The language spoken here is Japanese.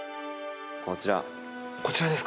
こちら。